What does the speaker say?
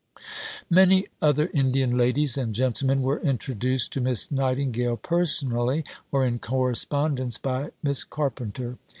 Many other Indian ladies and gentlemen were introduced to Miss Nightingale personally or in correspondence by Miss Carpenter.